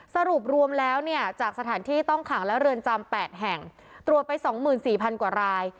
สรุปรวมแล้วเนี่ยจากสถานที่ต้องขังและเรือนจำ๘แห่งตรวจไป๒๔๐๐กว่าราย